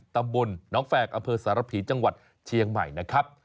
ตำบลน้องแฝกอำเภอสารผีจังหวัดเชียงใหม่นะครับ